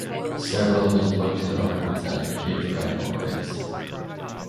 Several of his books and articles advocate for animal rights.